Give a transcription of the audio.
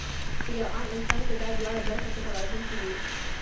پۀ يو عام انسان کې دا دواړه برخې پۀ توازن کې وي -